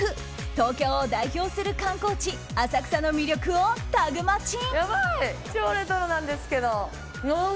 東京を代表する観光地浅草の魅力をタグマチ。